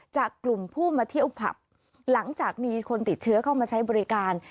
จากกลุ่มผู้มาเที่ยวผับหลังจากมีคนติดเชื้อเข้ามาใช้บริการ